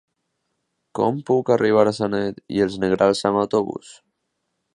Com puc arribar a Sanet i els Negrals amb autobús?